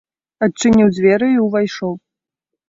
Адчыніў дзверы і ўвайшоў.